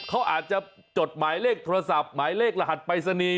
เขาอาจจะจดหมายเลขโทรศัพท์หมายเลขรหัสปรายศนีย์